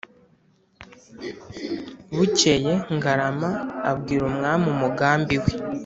bukeye ngarama abwira umwami umugambi we